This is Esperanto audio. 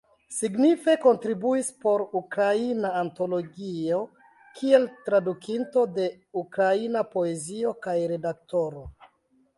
Signife kontribuis por Ukraina Antologio kiel tradukinto de ukraina poezio kaj redaktoro.